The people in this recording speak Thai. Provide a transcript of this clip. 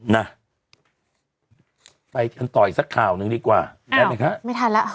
น่ะไปกันต่ออีกสักคราวนึงดีกว่าอ้าวไม่ทันแล้ว